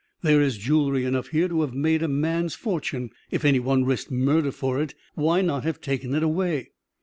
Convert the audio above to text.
There is jewelry enough here to have made a man's fortune; if any one risked murder for it, why not have taken it away?"